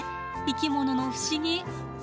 生き物の不思議。